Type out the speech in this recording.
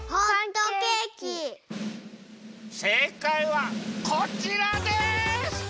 せいかいはこちらです！